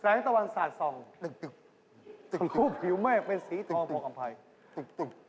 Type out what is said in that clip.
แสงตะวันสัตว์ส่องทุนุพันธาตุผิวแม่เป็นสีทองพออัพพันธาตุ